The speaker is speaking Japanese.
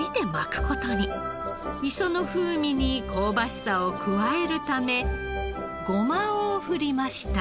磯の風味に香ばしさを加えるためごまを振りました。